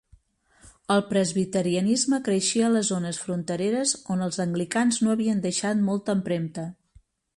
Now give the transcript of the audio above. El presbiterianisme creixia a les zones frontereres on els anglicans no havien deixat molta empremta.